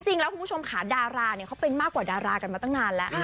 คุณผู้ชมค่ะดาราเนี่ยเขาเป็นมากกว่าดารากันมาตั้งนานแล้ว